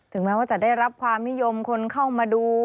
แม้ว่าจะได้รับความนิยมคนเข้ามาดู